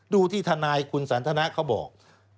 ดูที่ทนายคุณสันทนาเขาบอก